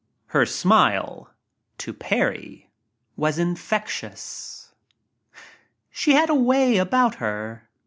Her smile — to Parry — was infectious. She had "a way" about her.